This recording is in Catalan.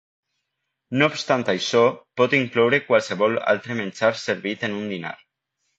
No obstant això, pot incloure qualsevol altre menjar servit en un dinar.